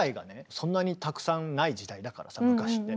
そんなにたくさんない時代だからさ昔って。